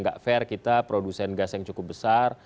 gak fair kita produsen gas yang cukup besar